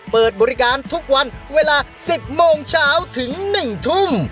เปิดบริการทุกวันเวลา๑๐โมงเช้าถึง๑ทุ่ม